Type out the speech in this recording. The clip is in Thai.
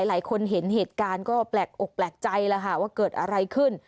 หลายคนเห็นเหตุการณ์ก็แปลกอกแปลกใจแล้วค่ะว่าเกิดอะไรขึ้น